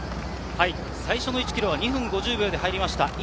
最初の１ｋｍは２分５０秒で入りました。